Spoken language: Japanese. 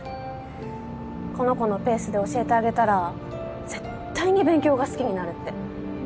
この子のペースで教えてあげたら絶対に勉強が好きになるって。